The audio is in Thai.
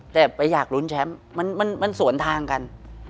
แต่ไปอยากลุ้นแชมป์มันสวนทางกัน